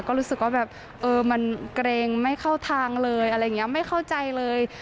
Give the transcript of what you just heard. ก็รู้สึกว่าแบบเออมันเกรงไม่เข้าทางเลยอะไรอย่างนี้ไม่เข้าใจเลย